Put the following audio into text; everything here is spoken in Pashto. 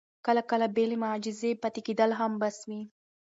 کله کله بې له معجزې پاتې کېدل هم بس وي.